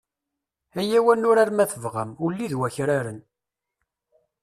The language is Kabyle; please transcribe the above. Iyyaw ad nurar, ma tebɣam, ulli d wakraren.